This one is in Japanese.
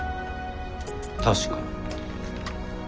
確かに。